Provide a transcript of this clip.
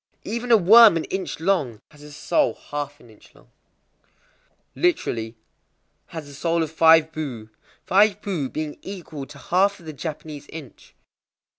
_ Even a worm an inch long has a soul half an inch long. Literally, "has a soul of five bu,"—five bu being equal to half of the Japanese inch.